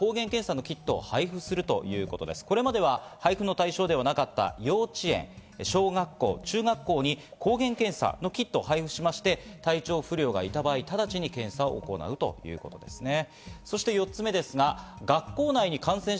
これまで配布の対象でなかった幼稚園、小学校、中学校に抗原検査のキットを配布して体調不良者がいた場合、直ちに検査を行うということです。